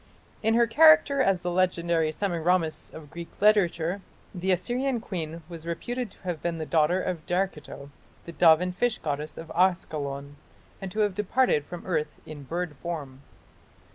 In her character as the legendary Semiramis of Greek literature, the Assyrian queen was reputed to have been the daughter of Derceto, the dove and fish goddess of Askalon, and to have departed from earth in bird form.